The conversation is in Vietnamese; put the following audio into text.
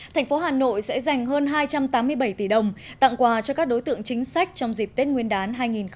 thành phố hà nội sẽ dành hơn hai trăm tám mươi bảy tỷ đồng tặng quà cho các đối tượng chính sách trong dịp tết nguyên đán hai nghìn hai mươi